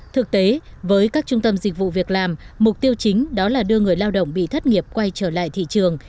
thực tế với các trung tâm dịch vụ việc làm mục tiêu chính đó là đưa người lao động bị thất nghiệp quay trở lại thị trường